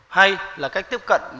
hay là cách tiếp cận